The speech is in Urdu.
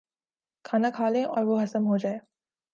کھانا کھا لیں اور وہ ہضم ہو جائے۔